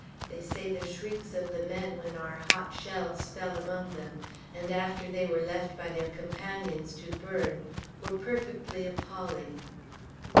They say the shrieks of the men when our hot shells fell among them, and after they were left by their companions to burn, were perfectly appalling.